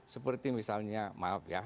seperti misalnya maaf ya